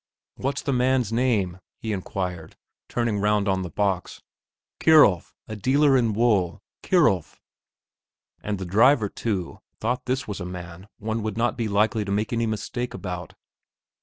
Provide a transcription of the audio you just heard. "What's the man's name?" he inquired, turning round on the box. "Kierulf, a dealer in wool Kierulf." And the driver, too, thought this was a man one would not be likely to make any mistake about.